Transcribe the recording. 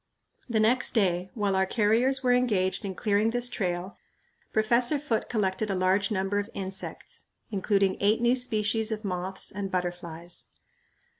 The next day, while our carriers were engaged in clearing this trail, Professor Foote collected a large number of insects, including eight new species of moths and butterflies.